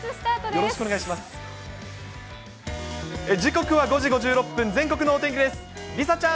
時刻は午後５時５６分、全国のお天気です。